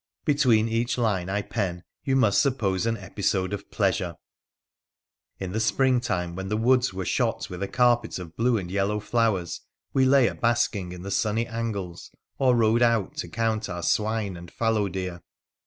Between each line I pen you must suppose an episode of pleasure. In the springtime, when the woods were shot with a carpet of blue and yellow flowers, we lay a basking in the sunny angles or rode out to count our swine and fallow deer.